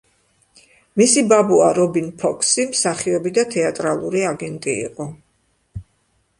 მისი ბაბუა რობინ ფოქსი მსახიობი და თეატრალური აგენტი იყო.